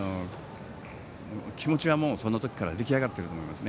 気持ちは、その時から出来上がっていたと思います。